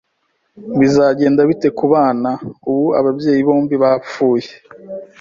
Bizagenda bite ku bana ubu ababyeyi bombi bapfuye?